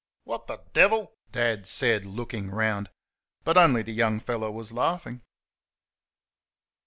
"What the DEVIL !" Dad said, looking round. But only the young fellow was laughing.